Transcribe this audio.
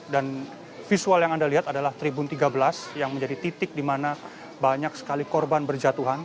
dan visual yang anda lihat adalah tribun tiga belas yang menjadi titik di mana banyak sekali korban berjatuhan